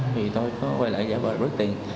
thì tôi có quay lại giả vờ bớt tiền